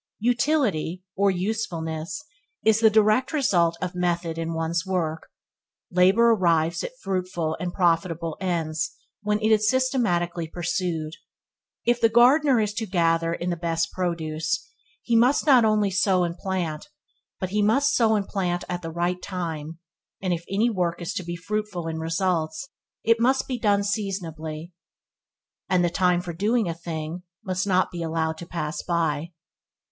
Utility or usefulness, is the direct result of method in one's work. Labour arrives at fruitful and profitable ends when it is systematically pursued. If the gardener is to gather in the best produce, he must not only sow and plant, but he must sow and plant at the right time; and if any work is to be fruitful in results, it must be done seasonably, and the time for doing a thing must not be allowed to pass by.